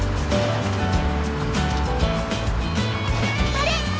あれ！